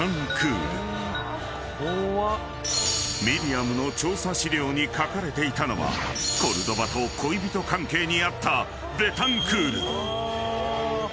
［ミリアムの調査資料に書かれていたのはコルドバと恋人関係にあったベタンクール］